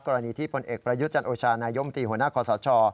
กรณีที่พลเอกประยุทธ์จันโอชานายมตีหัวหน้าคอสช